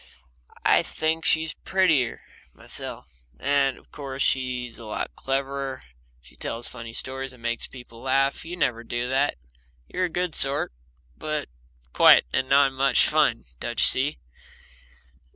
I think she's prettier, myself. And, of course, she's a lot cleverer. She tells funny stories and makes people laugh; you never do that You're a good sort, but quiet and not much fun, don't you see?